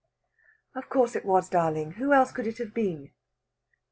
"Of course it was, darling. Who else could it have been?"